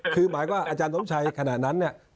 คือหมายความว่าอาจารย์สมชัยขณะนั้นเนี่ย